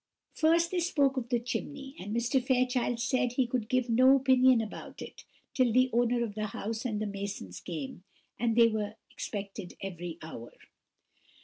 First they spoke of the chimney, and Mr. Fairchild said that he could give no opinion about it till the owner of the house and the masons came, and they were expected every hour.